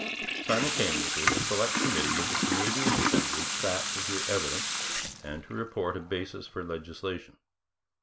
Simultaneously a select committee of the Canadian Assembly sat to hear evidence and to report a basis for legislation.